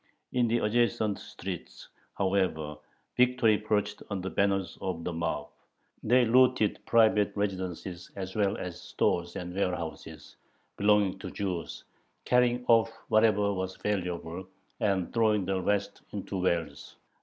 In the adjacent streets, however, "victory" perched on the banner of the mob. They looted private residences as well as stores and warehouses belonging to Jews, carrying off whatever was valuable, and throwing the rest into wells.